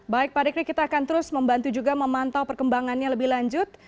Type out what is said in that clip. baik pak dikri kita akan terus membantu juga memantau perkembangannya lebih lanjut